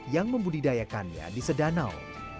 yang membudidayakannya di sedanau